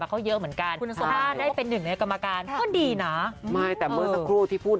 เขาจะให้เป็นกรรมการที่สวยน้ำดอลิเมฆ